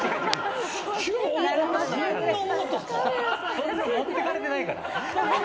そんな持ってかれてないから。